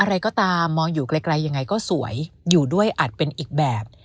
อะไรก็ตามมองอยู่ไกลยังไงก็สวยอยู่ด้วยอาจเป็นอีกแบบ